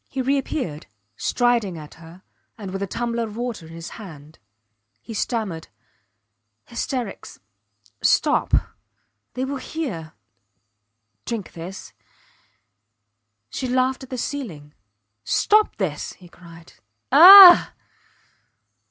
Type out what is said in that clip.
He reappeared, striding at her, and with a tumbler of water in his hand. He stammered: Hysterics Stop They will hear Drink this. She laughed at the ceiling. Stop this! he cried. Ah!